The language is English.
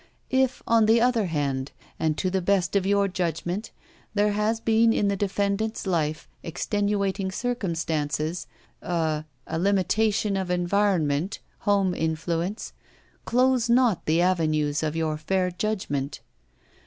"If, on the other hand and to the best of your judgment, there has been in the defendant's life extenuating circumstances, er — a limitation of en viroxmient, home influence, close not the avenues of your fair judgment.